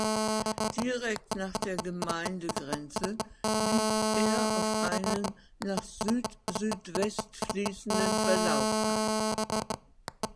Direkt nach der Gemeindegrenze biegt er auf einen nach Südsüdwest fließenden Verlauf ein.